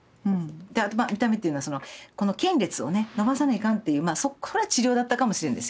見た目っていうのはこの瞼裂をね伸ばさないかんっていうこれは治療だったかもしれんですよね